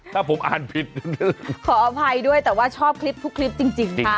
ถ้าผมอ่านผิดขออภัยด้วยแต่ว่าชอบคลิปทุกคลิปจริงดี